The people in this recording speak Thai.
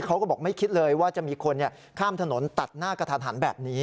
เขาก็บอกไม่คิดเลยว่าจะมีคนข้ามถนนตัดหน้ากระทันหันแบบนี้